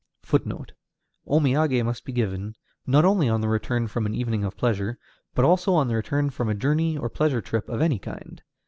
O miagé must be given, not only on the return from an evening of pleasure, but also on the return from a journey or pleasure trip of any kind.